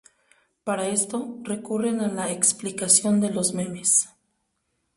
Para esto, recurren a la explicación de los memes.